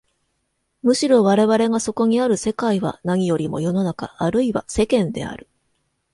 むしろ我々がそこにある世界は何よりも世の中あるいは世間である。